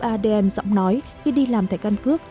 adn giọng nói khi đi làm thẻ căn cước